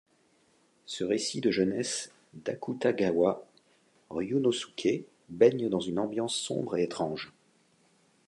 Ce récit de jeunesse d'Akutagawa Ryūnosuke baigne dans une ambiance sombre et étrange.